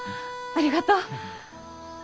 ありがとう。